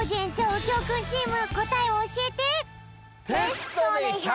うきょうくんチームこたえをおしえて！